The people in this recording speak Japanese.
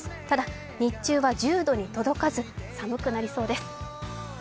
ただ日中は１０度に届かず寒くなりそうです。